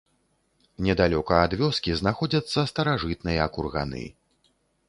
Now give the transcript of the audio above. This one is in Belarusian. Недалёка ад вёскі знаходзяцца старажытныя курганы.